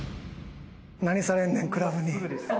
何されんねんクラブに。